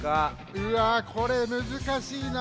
うわこれむずかしいな。